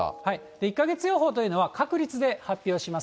１か月予報というのは、確率で発表します。